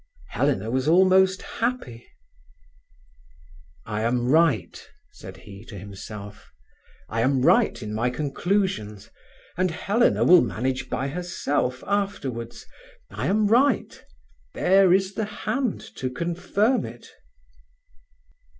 Helena was almost happy. "I am right," said he to himself. I am right in my conclusions, and Helena will manage by herself afterwards. I am right; there is the hand to confirm it."